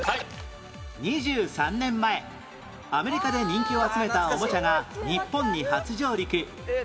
２３年前アメリカで人気を集めたおもちゃが日本に初上陸